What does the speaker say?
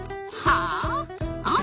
はあ？